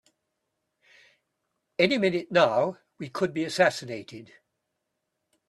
Any minute now we could be assassinated!